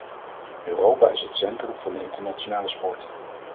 Europa is het centrum van de internationale sport.